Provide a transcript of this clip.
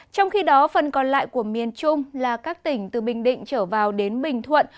trong khi đó phần còn lại của miền trung là các tỉnh từ bình định trở vào đến bình thuận